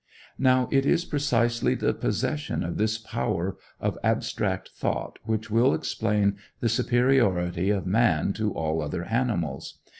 Now it is precisely the possession of this power of abstract thought which will explain the superiority of man to all other animals.